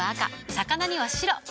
魚には白。